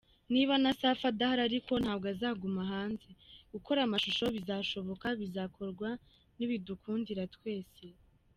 Niba na Safi adahari ariko ntabwo azaguma hanze, gukora amashusho bizashoboka, bizakorwa nibidukundira twese.